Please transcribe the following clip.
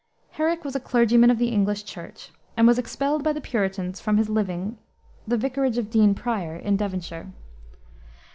Herrick was a clergyman of the English Church, and was expelled by the Puritans from his living, the vicarage of Dean Prior, in Devonshire.